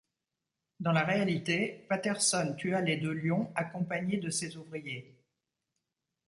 Dans la réalité, Patterson tua les deux lions accompagné de ses ouvriers.